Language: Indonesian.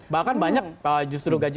bahkan banyak justru gaji